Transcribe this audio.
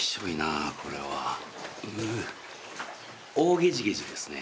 オオゲジゲジですね。